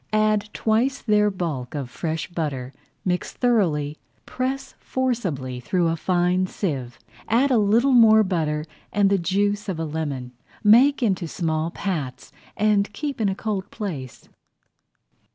Add twice their bulk of fresh butter, mix thoroughly, press forcibly through a fine sieve, add a little more butter and the juice of a lemon. Make into small pats and keep in a cold place.